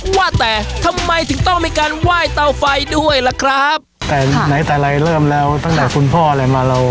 ว่าแต่ทำไมถึงต้องมีการไหว้เตาไฟด้วยล่ะครับแต่ไหนแต่ไรเริ่มแล้วตั้งแต่คุณพ่ออะไรมาเรา